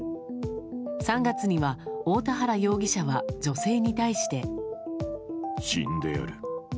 ３月には大田原容疑者は女性に対して。死んでやる。